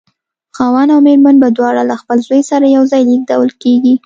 خاوند او مېرمن دواړه به له خپل زوی سره یو ځای لېږدول کېږي.